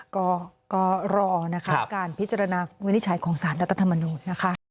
ก็รอนะคะการพิจารณาวินิจฉัยของสารรัฐธรรมนูญนะคะ